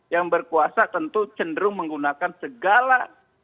yang berkuasa tentu cenderung menggunakan segala